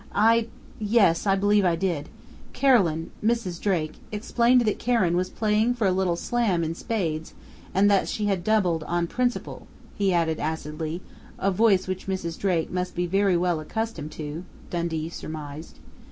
"I yes, I believe I did. Carolyn Mrs. Drake explained that Karen was playing for a little slam in Spades, and that she had doubled 'on principle'," he added acidly a voice which Mrs. Drake must be very well accustomed to, Dundee surmised.